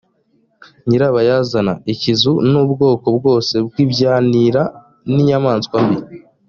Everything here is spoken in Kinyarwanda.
nyirabarazana, ikizu, n’ubwoko bwose bw’ibyanira ni inyamaswa mbi